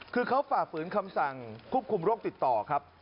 คือเขาฝ่าฝืนคำสั่งควบคุมโรคติดต่อครับ